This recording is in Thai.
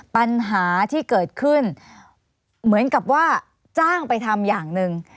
ปัญหาที่เกิดขึ้นเหมือนกับว่าจ้างไปทำอย่างหนึ่ง